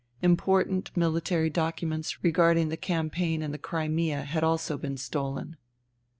Important military documents regarding the campaign in the Crimea had also been stolen.